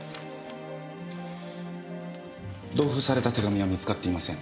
同封された手紙は見つかっていません。